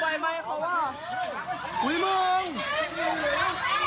ไบร่มาอุ้ยข้างหน้ายังออกมาไม่มดเลยอ่ะ